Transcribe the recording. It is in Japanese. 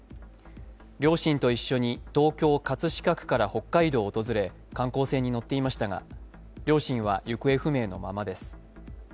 両親と一緒に東京・葛飾区から北海道を訪れ観光船に乗っていましたが両親は行方不明のままです。